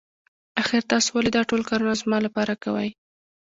آخر تاسو ولې دا ټول کارونه زما لپاره کوئ.